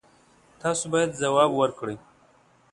تاسو باید ځواب ورکړئ.